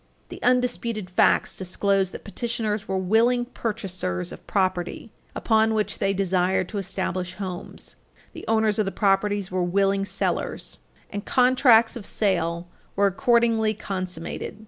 The undisputed facts disclose that petitioners were willing purchasers of properties upon which they desired to establish homes. The owners of the properties were willing sellers, and contracts of sale were accordingly consummated.